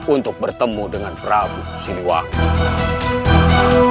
untuk bertemu dengan prabu siliwangi